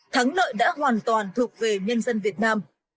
thắng lợi đã hoàn toàn thuộc về nhân dân việt nam